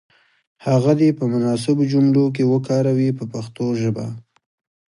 هغه دې په مناسبو جملو کې وکاروي په پښتو ژبه.